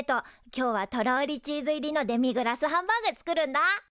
今日はとろりチーズ入りのデミグラスハンバーグ作るんだ！